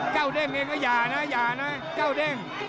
เด้งเองก็อย่านะอย่านะเจ้าเด้ง